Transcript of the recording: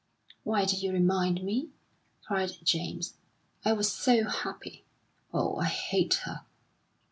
"Why did you remind me?" cried James. "I was so happy. Oh, I hate her!"